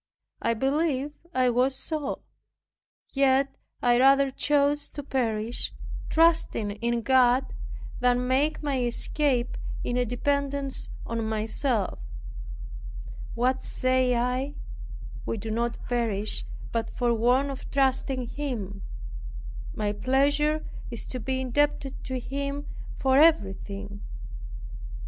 I believe I was so; yet I rather chose to perish, trusting in God, than make my escape in a dependence on myself. What say I? We do not perish, but for want of trusting Him. My pleasure is to be indebted to Him for everything.